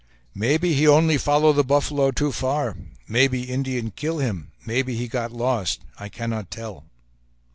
"Maybe he only follow the buffalo too far; maybe Indian kill him; maybe he got lost; I cannot tell!"